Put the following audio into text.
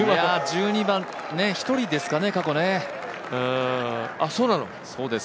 １２番、過去１人ですかね。